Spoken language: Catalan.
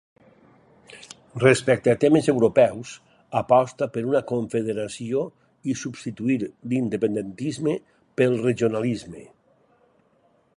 Respecte a temes europeus, aposta per una confederació i substituir l'independentisme pel regionalisme.